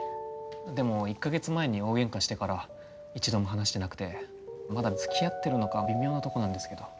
でも１か月前に大げんかしてから一度も話してなくてまだつきあってるのかは微妙なとこなんですけど。